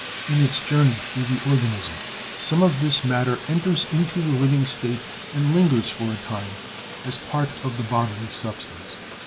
In its journey through the organism some of this matter enters into the living state and lingers for a time as part of the bodily substance.